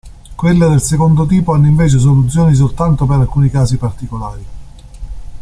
Quelle del secondo tipo hanno invece soluzione soltanto per alcuni casi particolari.